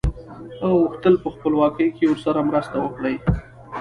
هغه غوښتل په خپلواکۍ کې ورسره مرسته وکړي.